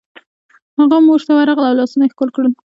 هغه مور ته ورغله او لاسونه یې ښکل کړل